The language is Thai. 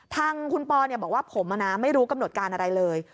ทางคุณปอเนี่ยบอกว่าผมอ่ะนะไม่รู้กำหนดการอะไรเลย